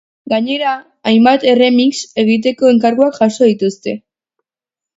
Gainera, hainbat erremix egiteko enkarguak jaso dituzte.